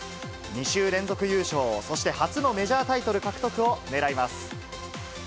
２週連続優勝、そして初のメジャータイトル獲得をねらいます。